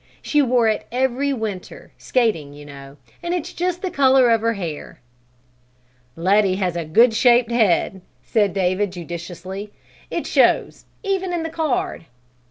She wore it every winter, skating, you know, and it's just the color of her hair." "Letty has a good shaped head," said David judicially. "It shows, even in the card."